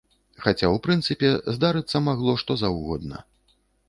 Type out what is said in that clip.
Хаця ў прынцыпе здарыцца магло, што заўгодна.